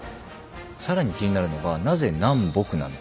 さらに気になるのがなぜ「南北」なのか。